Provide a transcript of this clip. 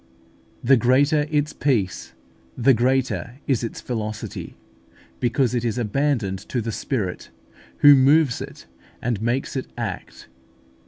The greater its peace, the greater is its velocity, because it is abandoned to the Spirit, who moves it and makes it act.